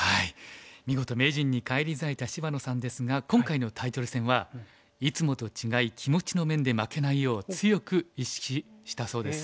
見事名人に返り咲いた芝野さんですが今回のタイトル戦はいつもと違い気持ちの面で負けないよう強く意識したそうです。